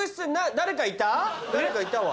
誰かいたわ。